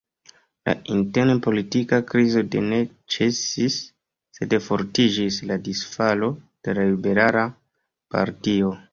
La intern-politika krizo do ne ĉesis, sed fortiĝis la disfalo de la Liberala partio.